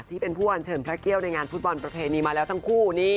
ที่เป็นผู้อันเชิญพระเกี่ยวในงานฟุตบอลประเพณีมาแล้วทั้งคู่